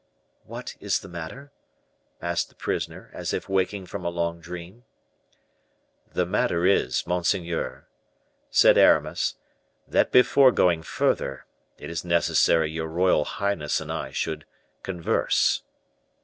"What is the matter?" asked the prisoner, as if waking from a long dream. "The matter is, monseigneur," said Aramis, "that before going further, it is necessary your royal highness and I should converse."